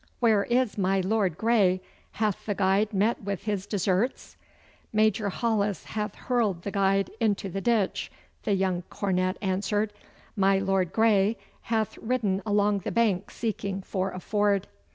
Where is my Lord Grey? Hath the guide met with his deserts?' 'Major Hollis hath hurled the guide into the ditch,' the young cornet answered. 'My Lord Grey hath ridden along the bank seeking for a ford.